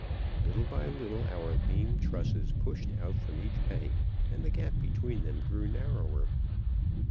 "Little by little our beam trusses pushed out from each bank, and the gap between them grew narrower.